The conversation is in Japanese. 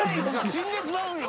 死んでしまうんよ